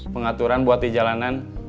pengaturan buat di jalanan